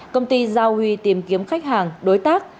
công ty giao huy tìm kiếm khách hàng đối tác